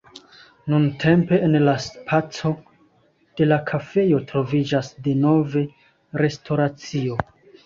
Nuntempe en la spaco de la kafejo troviĝas denove restoracio.